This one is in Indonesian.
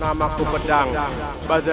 namaku pedang badragini